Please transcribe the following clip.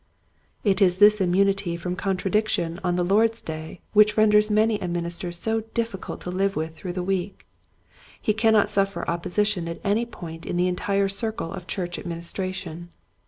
It is this immunity from contradiction on the Lord's day which renders many a minister so difficult to live with through the week. He cannot suffer opposition at any point in the entire circle of church administration.